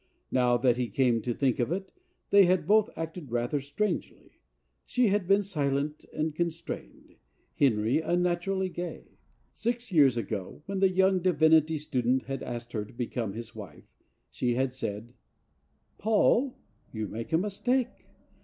Now that he came to think of it, they had both acted rather strangely. She had been silent and constrained; Henry un¬ naturally gay. Six years ago, when the young divinity student had asked her to become his wife, she had said: "Paul, you make a mistake.